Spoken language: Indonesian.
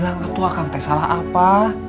nggak ada apa apa